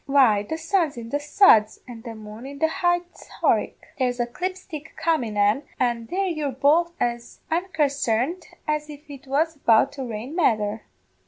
"'Why, the sun's in the suds and the moon in the high Horicks; there's a clipstick comin' an, an' there you're both as unconsarned as if it was about to rain mether.